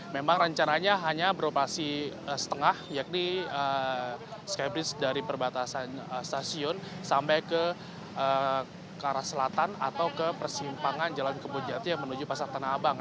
memang rencananya hanya beroperasi setengah yakni skybridge dari perbatasan stasiun sampai ke arah selatan atau ke persimpangan jalan kebun jati yang menuju pasar tanah abang